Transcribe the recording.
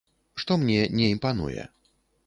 Што мне не імпануе.